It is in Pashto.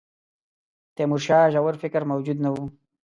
تیمورشاه ژور فکر موجود نه وو.